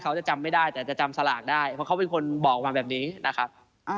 จะจำไม่ได้แต่จะจำสลากได้เพราะเขาเป็นคนบอกมาแบบนี้นะครับ